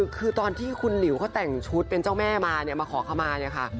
คือตอนที่คุณหลิวเขาแต่งชุดเป็นเจ้าแม่มาเนี่ยมาขอขมาเนี่ยค่ะ